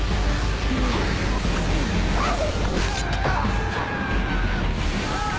あっ！